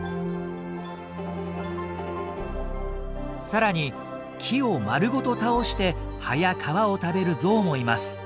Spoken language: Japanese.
更に木を丸ごと倒して葉や皮を食べるゾウもいます。